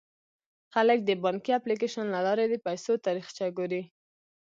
خلک د بانکي اپلیکیشن له لارې د پيسو تاریخچه ګوري.